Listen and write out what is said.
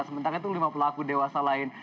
sementara itu lima pelaku dewasa lain